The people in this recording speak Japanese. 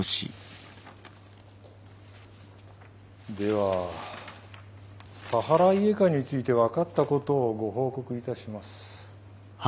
ではサハライエカについて分かったことをご報告いたします。